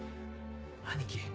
兄貴。